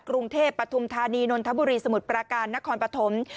กรุงเทพปฐุมธานีนนทบุรีสมุทรปราการนครปฐม